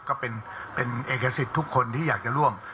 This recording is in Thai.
ก็เป็นเอกสิทธิ์ทุกคนที่อยากจะร่วม